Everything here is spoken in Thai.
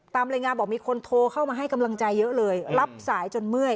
ตามรายงานบอกมีคนโทรเข้ามาให้กำลังใจเยอะเลยรับสายจนเมื่อย